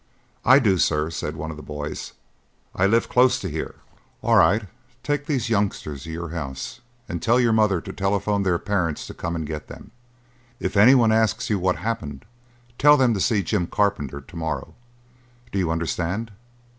"I do, sir," said one of the boys. "I live close to here." "All right, take these youngsters to your house and tell your mother to telephone their parents to come and get them. If anyone asks you what happened, tell them to see Jim Carpenter to morrow. Do you understand?"